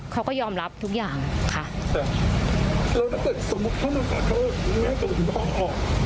เขาก็ยอมรับทุกอย่างค่ะแล้วถ้าเกิดสมมุติเขามาขอโทษแม่ผมมองออก